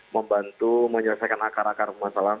membantu menyelesaikan akar akar permasalahan